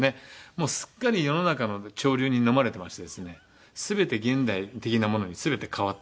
もうすっかり世の中の潮流にのまれてましてですね全て現代的なものに全て変わってて。